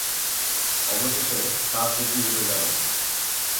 অবশেষে, তার টুপি উড়ে গেল।